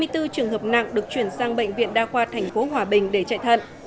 hai mươi bốn trường hợp nặng được chuyển sang bệnh viện đa khoa tp hòa bình để chạy thận